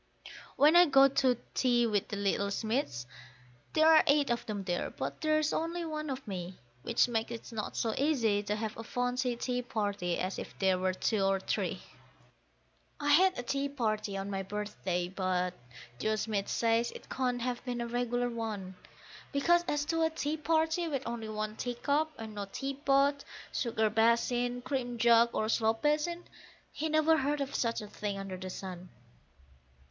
When I go to tea with the little Smiths, there are eight of them there, but there's only one of me, Which makes it not so easy to have a fancy tea party as if there were two or three. I had a tea party on my birthday, but Joe Smith says it can't have been a regular one, Because as to a tea party with only one teacup and no teapot, sugar basin, cream jug, or slop basin, he never heard of such a thing under the sun.